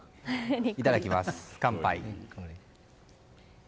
いただきます、乾杯。